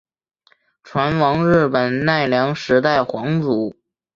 船王日本奈良时代皇族。